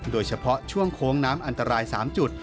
โดยเฉพาะช่วงโค้งน้ำอันตราย๓จุด